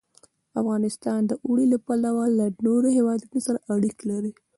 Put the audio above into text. افغانستان د اوړي له پلوه له نورو هېوادونو سره اړیکې لري.